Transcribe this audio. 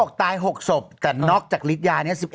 เขาบอกตาย๖สบเนาะจากลิดยานี้๑๑ราย